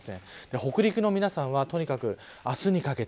北陸の皆さんはとにかく、明日にかけて。